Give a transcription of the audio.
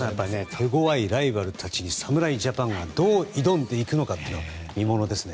手ごわいライバルたちに侍ジャパンがどう挑んでいくか見ものですね。